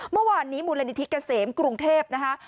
เมื่อวานนี้มูลนิธิเกษมกรุงเทพนะคะ